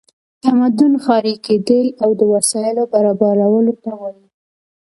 تمدن ښاري کیدل او د وسایلو برابرولو ته وایي.